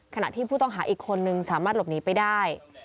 ขณะที่ผู้ต้องหาอีกคนนึงสามารถหลบหนีไปได้